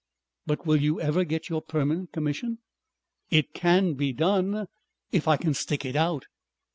"But will you ever get your Permanent Commission?" "It can be done. If I can stick it out."